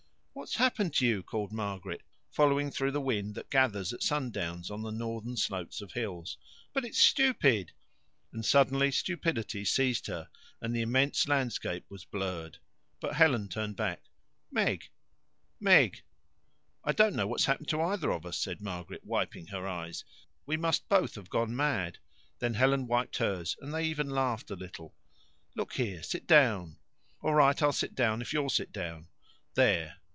"What's happened to you?" called Margaret, following through the wind that gathers at sundown on the northern slopes of hills. "But it's stupid!" And suddenly stupidity seized her, and the immense landscape was blurred. But Helen turned back. " Meg " "I don't know what's happened to either of us," said Margaret, wiping her eyes. "We must both have gone mad." Then Helen wiped hers, and they even laughed a little. "Look here, sit down." "All right; I'll sit down if you'll sit down." "There.